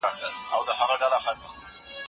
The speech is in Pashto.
تل په اوداسه ګرځېدل روزي پراخوي.